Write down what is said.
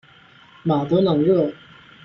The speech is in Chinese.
马德朗热。